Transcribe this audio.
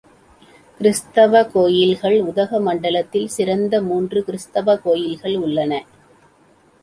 கிருத்தவக் கோயில்கள் உதகமண்டலத்தில் சிறந்த மூன்று கிருத்தவக் கோயில்கள் உள்ளன.